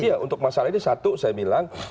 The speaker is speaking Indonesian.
iya untuk masalah ini satu saya bilang